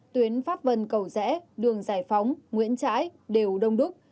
tuyến pháp vân cầu rẽ đường giải phóng nguyễn trãi đều đông đúc